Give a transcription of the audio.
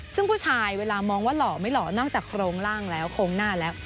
ซึ่งผู้ชายเวลามองว่าหล่อไม่หล่อนอกจากโครงล่างแล้วโครงหน้าแล้ว